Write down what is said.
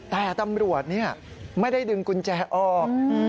แต่ตำรวจไม่ได้ดึงกุญแจออก